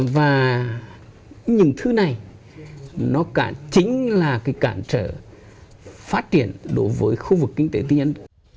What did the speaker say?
và những thứ này nó chính là cái cản trở phát triển đối với khu vực kinh tế tư nhân